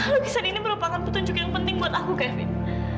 lukisan ini merupakan petunjuk yang penting buat aku kevin